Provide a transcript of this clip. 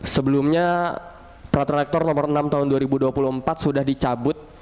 sebelumnya peraturan rektor nomor enam tahun dua ribu dua puluh empat sudah dicabut